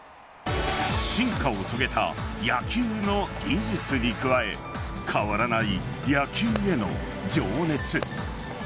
進化を遂げた野球の技術に加え変わらない野球への情熱。